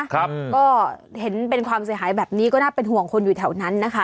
ครับก็เห็นเป็นความเสียหายแบบนี้ก็น่าเป็นห่วงคนอยู่แถวนั้นนะคะ